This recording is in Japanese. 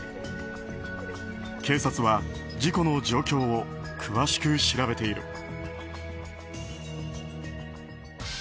警察は事故の状況を詳しく調べている。